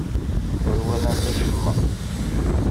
Ur walant acemma.